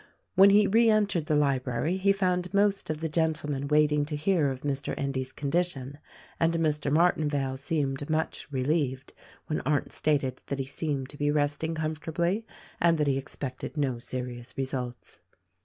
When he re entered the library he found most of the gen tlemen waiting to hear of Mr. Endy's condition, and Mr. Martinvale seemed much relieved when Arndt stated that he seemed to be resting comfortably and that he expected no serious results.